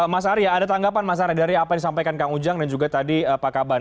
mas arya ada tanggapan mas arya dari apa yang disampaikan kang ujang dan juga tadi pak kaban